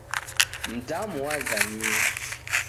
Mdamu wazamie